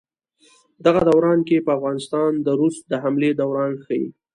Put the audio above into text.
دغه دوران کښې په افغانستان د روس د حملې دوران کښې